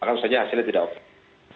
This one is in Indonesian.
maka maksudnya hasilnya tidak oke